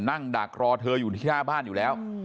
ดักรอเธออยู่ที่หน้าบ้านอยู่แล้ว